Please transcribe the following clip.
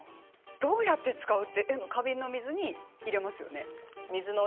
どうやって使うって花瓶の水に入れますよね。